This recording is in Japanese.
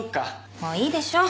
もういいでしょう？